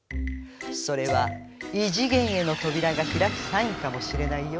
それは異次元への扉が開くサインかもしれないよ